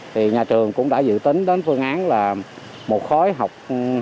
thì nhà trường cũng đã dự tính đến phương án là một khối học hai mươi bốn sáu